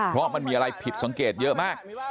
เพราะมันมีอะไรผิดสังเกตเยอะมาก